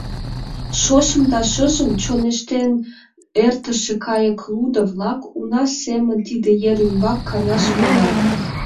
Шошым да шыжым чоҥештен эртыше кайыклудо-влак уна семын тиде ер ӱмбак канаш волат.